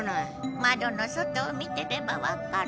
まどの外を見てればわかる。